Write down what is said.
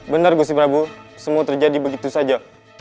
benar gusi prabu semua terjadi begitu saja